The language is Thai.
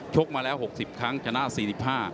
กมาแล้ว๖๐ครั้งชนะ๔๕